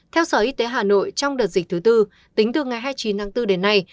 theo sở y tế hà nội trong đợt dịch thứ tư tính từ ngày hai mươi chín tháng bốn đến nay